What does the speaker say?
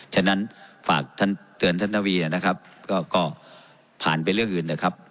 ฉะนั้นฝากเตือนท่านทวียังนะครับก็ผ่านเป็นเรื่องอื่นนะครับ